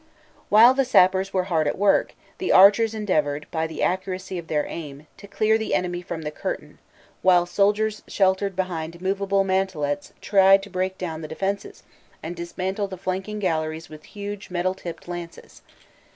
While the sappers were hard at work, the archers endeavoured, by the accuracy of their aim, to clear the enemy from the curtain, while soldiers sheltered behind movable mantelets tried to break down the defences and dismantle the flanking galleries with huge metal tipped lances.